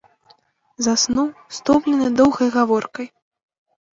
Заснуў, стомлены доўгай гаворкай.